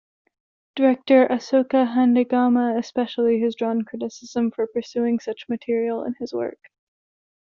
Director Asoka Handagama especially has drawn criticism for pursuing such material in his work.